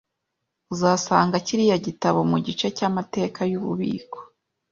Uzasanga kiriya gitabo mugice cyamateka yububiko